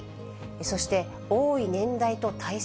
そして、多い年代と対策。